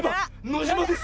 ノジマです！